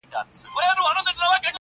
o د زمري غار بې هډوکو نه وي-